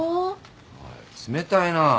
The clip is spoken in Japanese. おい冷たいな。